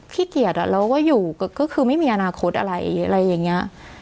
ขี้เกียจอ่ะเราก็อยู่ก็คือไม่มีอนาคตอะไรอะไรอย่างเงี้ย